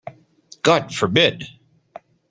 God forbid!